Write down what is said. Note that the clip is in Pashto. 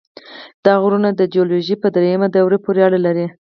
دا غرونه د جیولوژۍ په دریمې دورې پورې اړه لري.